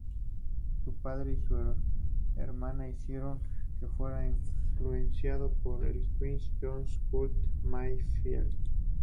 Su padre y hermana hicieron que fuera influenciado por Quincy Jones y Curtis Mayfield.